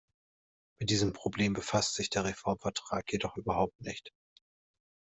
Mit diesem Problem befasst sich der Reformvertrag jedoch überhaupt nicht.